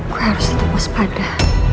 gue harus tetap puas pada